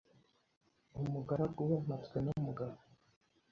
Umugaragu we Mpatswenumugabo